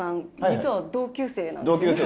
実は同級生なんですよね？